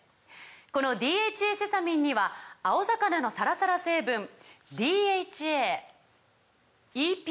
この「ＤＨＡセサミン」には青魚のサラサラ成分ＤＨＡＥＰＡ